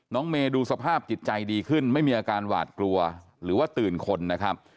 เมย์ดูสภาพจิตใจดีขึ้นไม่มีอาการหวาดกลัวหรือว่าตื่นคนนะครับ